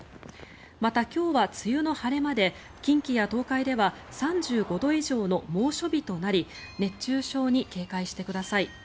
また今日は梅雨の晴れ間で近畿や東海では３５度以上の猛暑日となり熱中症に警戒してください。